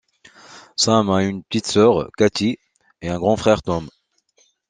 Sam a une petite sœur, Kathy, et un grand frère, Tom.